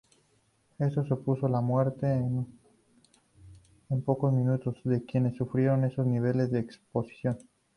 Esto supuso la muerte, en pocos minutos, de quienes sufrieron esos niveles de exposición.